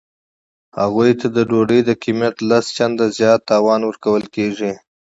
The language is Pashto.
هغوی ته د ډوډۍ د قیمت لس چنده زیات تاوان ورکول کیږي